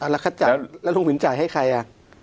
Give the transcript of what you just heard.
แล้วลุงหวินจ่ายให้ใครอ่ะ